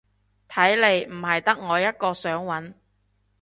睇嚟唔係得我一個想搵